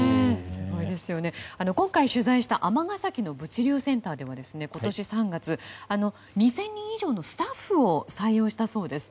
今回、取材した尼崎の物流センターでは今年３月、２０００人以上のスタッフを採用したそうです。